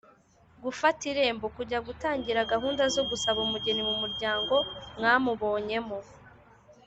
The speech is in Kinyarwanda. gufata irembo: kujya gutangira gahunda zo gusaba umugeni mu muryango mwamubonyemo